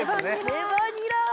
レバニラ！